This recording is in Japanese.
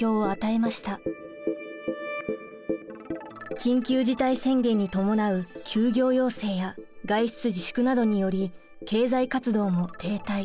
緊急事態宣言に伴う休業要請や外出自粛などにより経済活動も停滞。